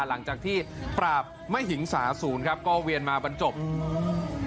หลังจากที่ปราบไม่หิงสาศูนย์ครับก็เวียนมาบรรจบอืม